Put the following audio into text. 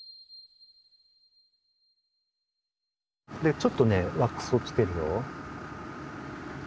ちょっとねワックスをつけるよ。